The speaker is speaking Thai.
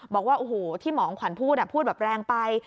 บอกว่าโอ้โหที่หมองขวัญพูดพูดแบบแรงไป